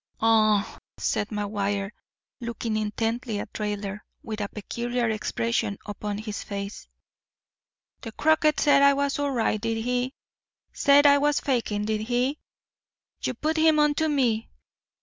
"Aw," said McGuire, looking intently at Raidler, with a peculiar expression upon his face, "the croaker said I was all right, did he? Said I was fakin', did he? You put him onto me.